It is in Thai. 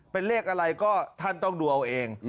เป็นเลขอะไรก็ท่านต้องดูเอาเอง